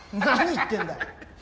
何言ってんだよ？